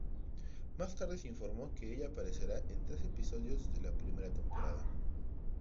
Más tarde se informó que ella aparecerá en tres episodios de la primera temporada.